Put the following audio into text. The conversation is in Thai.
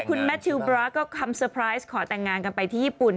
คุณแมททิวบราก็คำเตอร์ไพรส์ขอแต่งงานกันไปที่ญี่ปุ่น